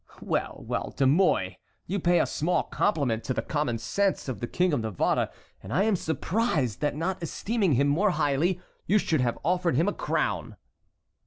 Well, well, De Mouy, you pay a small compliment to the common sense of the King of Navarre, and I am surprised that not esteeming him more highly you should have offered him a crown."